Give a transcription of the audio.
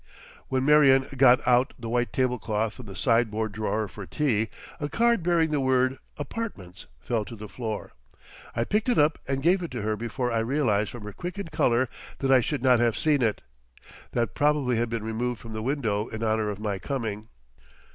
When Marion got out the white table cloth from the sideboard drawer for tea, a card bearing the word "APARTMENTS" fell to the floor. I picked it up and gave it to her before I realised from her quickened colour that I should not have seen it; that probably had been removed from the window in honour of my coming.